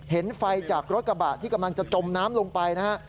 เห็นไฟจากรถกระบะที่กำลังจะจมน้ำลงไปนะฮะ